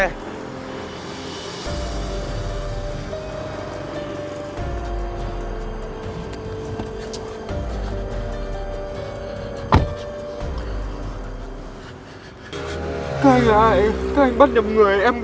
các anh là ai các anh bắt nhầm người